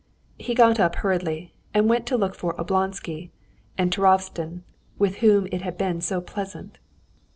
He got up hurriedly, and went to look for Oblonsky and Turovtsin, with whom it had been so pleasant.